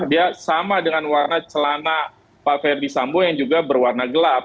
dia sama dengan warna celana pak ferdi sambo yang juga berwarna gelap